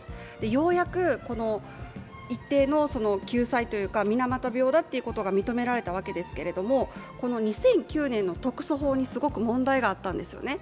ようやく一定の救済というか、水俣病だっていうことが認められたわけですけれども、この２００９年の特措法にすごく問題があったんですね。